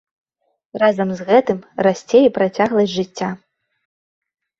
Разам з гэтым расце і працягласць жыцця.